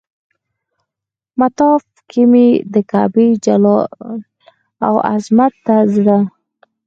مطاف کې مې د کعبې جلال او عظمت ته زړه.